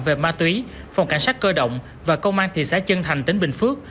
về ma túy phòng cảnh sát cơ động và công an thị xã chân thành tỉnh bình phước